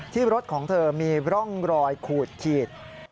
ที่รถของเธอมีร่องรอยขูดขีด